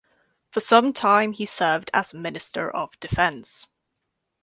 For some time he served as Minister of Defense.